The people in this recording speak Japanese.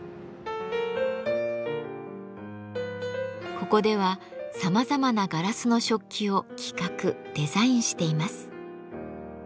ここではさまざまなガラスの食器を企画デザインしています。